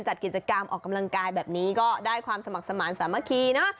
จัดกิจกรรมออกกำลังกายแบบนี้ก็ได้ความสมัครสมาธิสามัคคีเนอะ